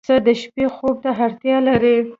پسه د شپې خوب ته اړتیا لري.